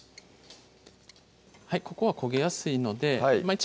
ここは焦げやすいのではい